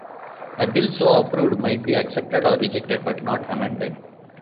A bill so approved might be accepted or rejected, but not amended.